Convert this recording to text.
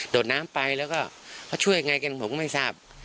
ดน้ำไปแล้วก็เขาช่วยยังไงกันผมก็ไม่ทราบ